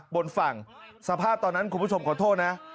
บนฝั่งสภาพตอนนั้นคุณผู้ชมขอโทษนะ